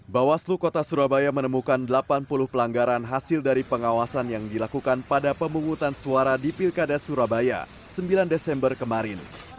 bawaslu kota surabaya menemukan delapan puluh pelanggaran hasil dari pengawasan yang dilakukan pada pemungutan suara di pilkada surabaya sembilan desember kemarin